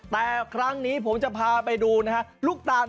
แต่ครั้งนี้ผมจะพาไปดูลูกต่าน